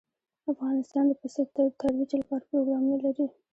افغانستان د پسه د ترویج لپاره پروګرامونه لري.